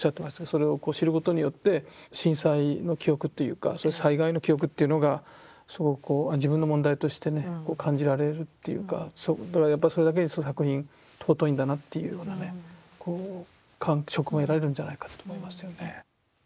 それを知ることによって震災の記憶というかそういう災害の記憶というのがすごくこう自分の問題としてね感じられるというかやっぱそれだけにその作品尊いんだなというようなねこう感触が得られるんじゃないかと思いますよね。